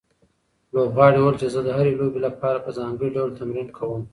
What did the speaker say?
لوبغاړي وویل چې زه د هرې لوبې لپاره په ځانګړي ډول تمرین کوم.